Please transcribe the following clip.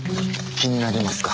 気になりますか？